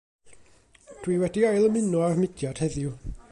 Dw i wedi ail ymuno â'r mudiad heddiw.